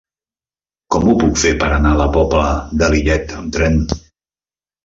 Com ho puc fer per anar a la Pobla de Lillet amb tren?